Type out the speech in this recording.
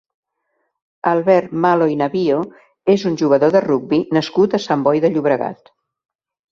Albert Malo i Navío és un jugador de rugbi nascut a Sant Boi de Llobregat.